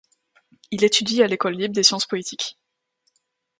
Il étudie à l'École libre des sciences politiques.